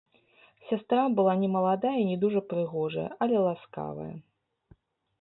Сястра была не маладая і не дужа прыгожая, але ласкавая.